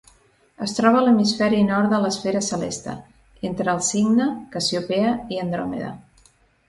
Es troba a l'hemisferi nord de l'esfera celeste, entre el Cigne, Cassiopea i Andròmeda.